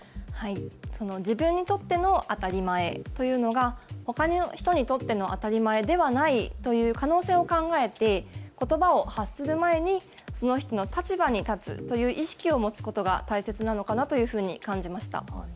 自分にとっての当たり前というのはほかの人にとっての当たり前ではないという可能性を考えてことばを発する前にその人の立場に立つという意識を持つことが大切なのかなと感じました。